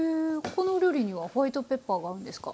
このお料理にはホワイトペッパーが合うんですか？